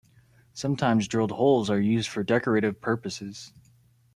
Sometimes drilled holes are used for decorative purposes.